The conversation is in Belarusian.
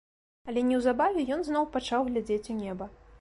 Але неўзабаве ён зноў пачаў глядзець у неба.